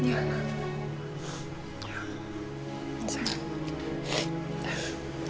din ya rumahku ini din